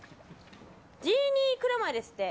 ジーニークラマエですって。